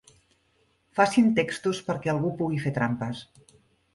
Facin textos perquè algú pugui fer trampes.